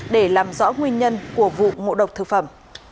để làm rõ nguyên nhân của vụ ngộ độc thực phẩm